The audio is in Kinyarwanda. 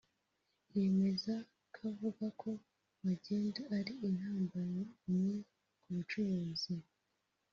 yemeza kavuga ko magendu ari intambamyi ku bucuruzi